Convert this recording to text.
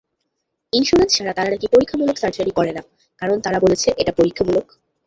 Insurance ছাড়া তারা নাকি পরীক্ষামূলক সার্জারি করে না, কারণ তারা বলেছে এটা পরীক্ষামূলক।